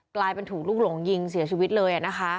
กลายเป็นถูกลูกหลงยิงเสียชีวิตเลยนะคะ